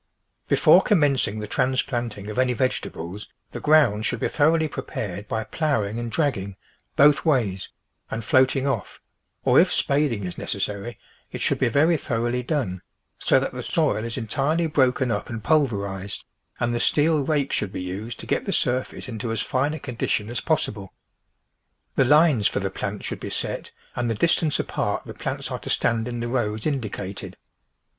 Before commencing the transplanting of any vegetables the ground should be thoroughly pre THE VEGETABLE GARDEN pared by ploughing and dragging — both ways — and floating off, or if spading is necessary, it should be very thoroughly done, so that the soil is entirely broken up and pulverised, and the steel rake should be used to get the surface into as fine a condition as possible. The lines for the plants should be set and the distance apart the plants are to stand in the rows indicated.